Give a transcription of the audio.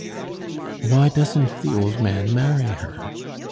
"Why doesn't the old man marry her?"